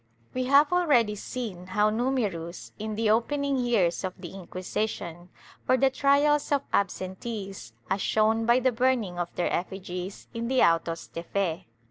"^ We have already seen how numerous, in the opening years of the Inquisition, were the trials of absentees, as shown by the burn ing of their effigies in the autos de fe.